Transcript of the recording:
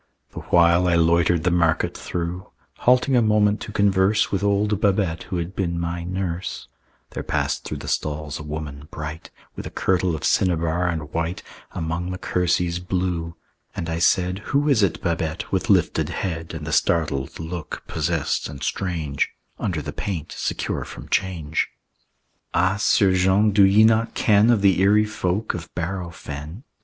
The while I loitered the market through, Halting a moment to converse With old Babette who had been my nurse, There passed through the stalls a woman, bright With a kirtle of cinnabar and white Among the kerseys blue; and I said, "Who is it, Babette, with lifted head, "And the startled look, possessed and strange, Under the paint secure from change?" "Ah, 'Sieur Jean, do ye not ken Of the eerie folk of Bareau Fen?"